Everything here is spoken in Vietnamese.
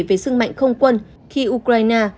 về sức mạnh không quân khi ukraine